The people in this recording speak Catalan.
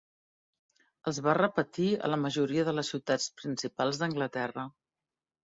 Els va repetir a la majoria de les ciutats principals d'Anglaterra.